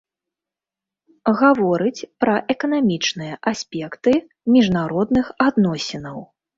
Гаворыць пра эканамічныя аспекты міжнародных адносінаў.